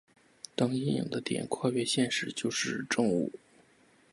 当阴影的点跨越线时就是正午。